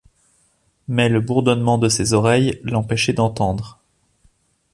Mais le bourdonnement de ses oreilles l’empêchait d’entendre.